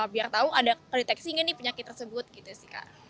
biar tahu ada pendeteksi nggak nih penyakit tersebut gitu sih kak